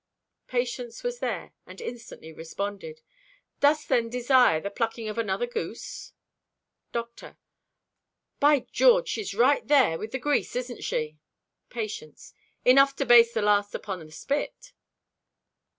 Patience was there and instantly responded: "Dost, then, desire the plucking of another goose?" Doctor.—"By George, she's right there with the grease, isn't she?" Patience.—"Enough to baste the last upon the spit."